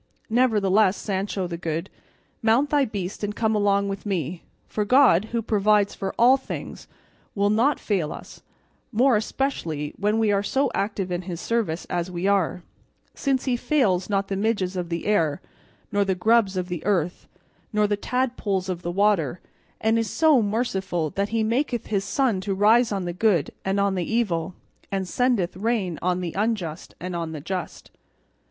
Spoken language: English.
Nevertheless, Sancho the Good, mount thy beast and come along with me, for God, who provides for all things, will not fail us (more especially when we are so active in his service as we are), since he fails not the midges of the air, nor the grubs of the earth, nor the tadpoles of the water, and is so merciful that he maketh his sun to rise on the good and on the evil, and sendeth rain on the unjust and on the just."